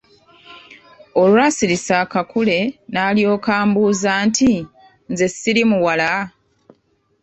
Olwasirisa akakule n’alyoka amubuuza nti "Nze siri muwala".